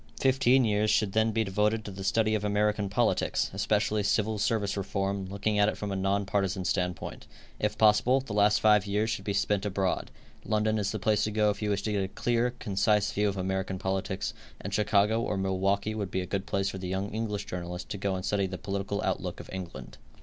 Fifteen years should then be devoted to the study of American politics, especially civil service reform, looking at it from a non partisan standpoint. If possible, the last five years should be spent abroad. London is the place to go if you wish to get a clear, concise view of American politics, and Chicago or Milwaukee would be a good place for the young English journalist to go and study the political outlook of England.